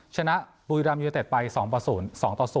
ชนะบุยรำยูนเต็ดไป๒ต่อ๐